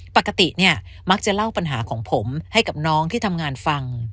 ปกติเนี่ยมักจะเล่าปัญหาของผมให้กับน้องที่ทำงานฟัง